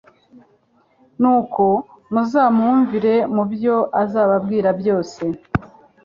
nuko muzamwumvire mu byo azababwira byose`.»